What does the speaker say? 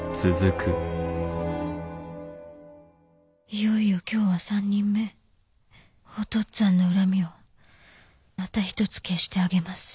いよいよ今日は３人目お父っつぁんの恨みをまた一つ消してあげます。